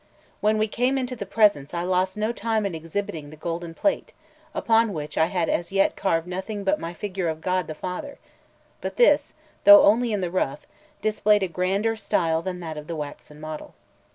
When we came into the presence, I lost no time in exhibiting the golden plate, upon which I had as yet carved nothing but my figure of God the Father; but this, though only in the rough, displayed a grander style than that of the waxen model.